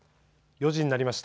４時になりました。